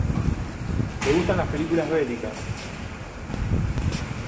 Le gustaban las películas bélicas.